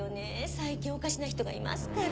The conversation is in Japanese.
最近おかしな人がいますから。